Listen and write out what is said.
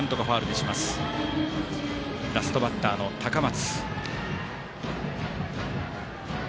ラストバッターの高松。